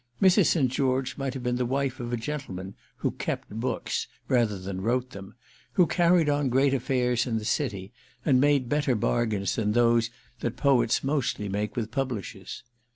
Mrs. St. George might have been the wife of a gentleman who "kept" books rather than wrote them, who carried on great affairs in the City and made better bargains than those that poets mostly make with publishers.